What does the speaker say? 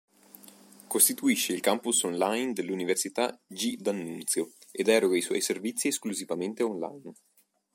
Costituisce il "Campus online dell'Università G. D'Annunzio" ed eroga i suoi servizi esclusivamente online.